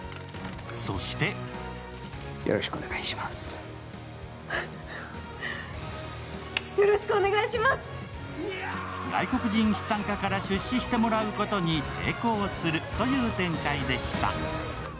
そして外国人資産家から出資してもらうことに成功するという展開でした。